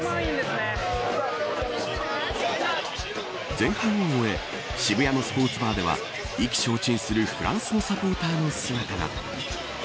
前半を終え渋谷のスポーツバーでは意気消沈するフランスのサポーターの姿が。